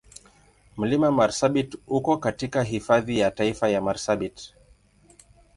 Mlima Marsabit uko katika Hifadhi ya Taifa ya Marsabit.